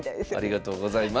ありがとうございます。